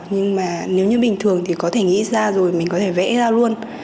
nhưng mà nếu như bình thường thì có thể nghĩ ra rồi mình có thể vẽ ra luôn